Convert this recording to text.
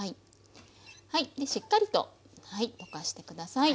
でしっかりと溶かして下さい。